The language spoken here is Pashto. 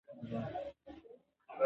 او اقلـيمي نه بـدلونـونه رامـنځتـه کوي.